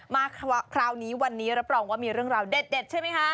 มาคราวนี้วันนี้รับรองว่ามีเรื่องราวเด็ดใช่ไหมคะ